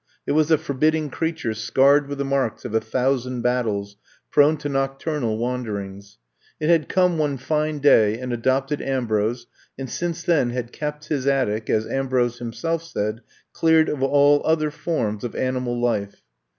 It was a forbidding creature scarred with the marks of a thousand bat tles prone to nocturnal wanderings. It had come one fine day and adopted Am brose and since then had kept his attic, as Ambrose himself said, cleared of all other forms of animal life.